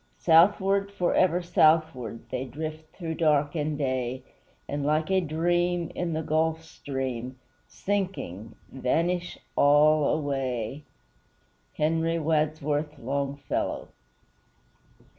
Southward, forever southward, They drift through dark and day; And like a dream, in the Gulf Stream Sinking, vanish all away. HENRY WADSWORTH LONGFELLOW.